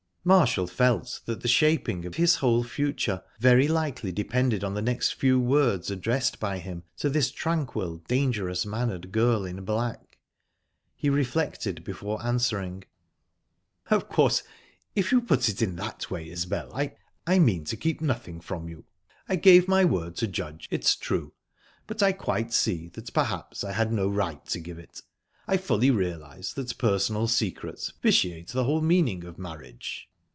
Marshall felt that the shaping of his whole future very likely depended on the next few words addressed by him to this tranquil, dangerous mannered girl in black. He reflected before answering. "Of course, if you put it in that way, Isbel, I mean to keep nothing from you. I gave my word to Judge, it's true, but I quite see that perhaps I had no right to give it. I fully realise that personal secrets vitiate the whole meaning of marriage."